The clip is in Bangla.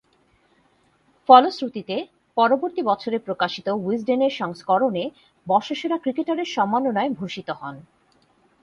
ফলশ্রুতিতে পরবর্তী বছরে প্রকাশিত উইজডেনের সংস্করণে বর্ষসেরা ক্রিকেটারের সম্মাননায় ভূষিত হন।